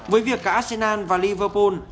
với việc cả arsenal và liverpool